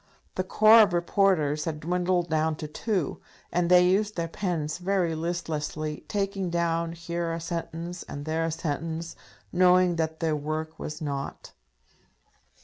The corps of reporters had dwindled down to two, and they used their pens very listlessly, taking down here a sentence and there a sentence, knowing that their work was naught.